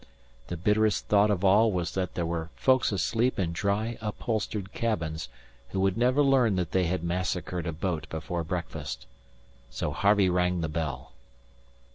The bitterest thought of all was that there were folks asleep in dry, upholstered cabins who would never learn that they had massacred a boat before breakfast. So Harvey rang the bell.